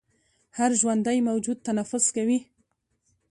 هر ژوندی موجود تنفس کوي